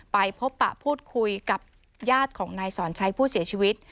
ไปพบปะพูดคุยกับญาติของนายสอนชัยผู้เสียชีวิต